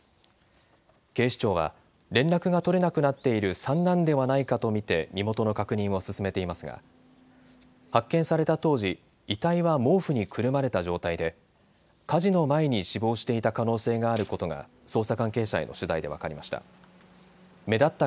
警視庁は連絡が取れなくなっている三男ではないかと見て身元の確認を進めていますが発見された当時、遺体は毛布にくるまれた状態で火事の前に死亡していた可能性があることが捜査関係者への取材で分かりました。